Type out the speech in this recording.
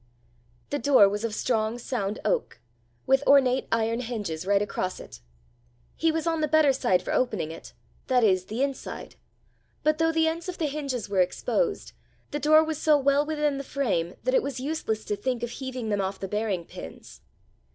The door was of strong sound oak, with ornate iron hinges right across it. He was on the better side for opening it, that is, the inside, but though the ends of the hinges were exposed, the door was so well within the frame that it was useless to think of heaving them off the bearing pins.